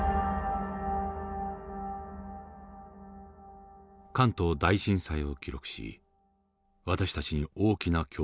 関東大震災を記録し私たちに大きな教訓を残した今村明恒。